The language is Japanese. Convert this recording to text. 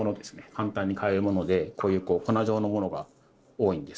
簡単に買えるものでこういう粉状のものが多いんです。